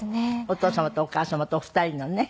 お父様とお母様とお二人のね。